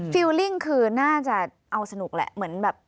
ฟิลลิ่งคือน่าจะเอาสนุกแหละเหมือนแบบ